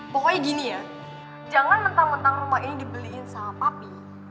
pokoknya gini ya jangan mentang mentang rumah ini dibeliin sama papi